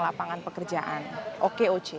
lapangan pekerjaan okoc